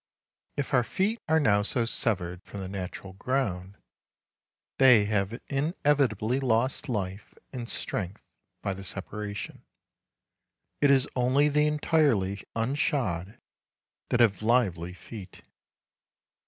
If our feet are now so severed from the natural ground, they have inevitably lost life and strength by the separation. It is only the entirely unshod that have lively feet.